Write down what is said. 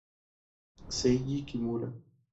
Seiji Kimura